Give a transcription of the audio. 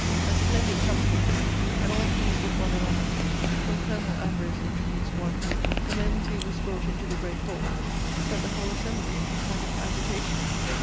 A splendid company, and all pleased with one another, till Colonel Ambrose introduced one, who, the moment he was brought into the great hall, set the whole assembly into a kind of agitation.